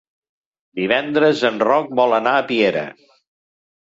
Divendres en Roc vol anar a Piera.